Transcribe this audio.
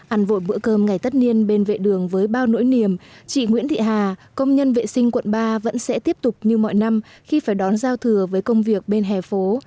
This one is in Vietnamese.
ăn vội bữa cơm ngày tất niên bên vệ đường với bao nỗi niềm chị nguyễn thị hà công nhân vệ sinh quận ba vẫn sẽ tiếp tục như mọi năm khi phải đón giao thừa với công việc bên hẻ phố